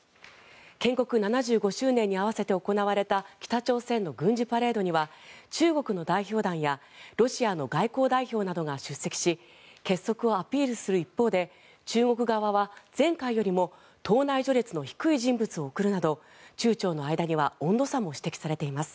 建国７５周年に合わせて行われた北朝鮮の軍事パレードには中国の代表団やロシアの外交代表などが出席し結束をアピールする一方で中国側は前回よりも党内序列の低い人物を送るなど中朝の間には温度差も指摘されています。